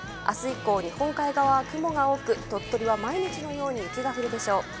あす以降、日本海側は雲が多く、鳥取は毎日のように雪が降るでしょう。